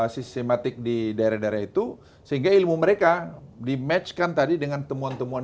sistematik di daerah daerah itu sehingga ilmu mereka di match kan tadi dengan temuan temuan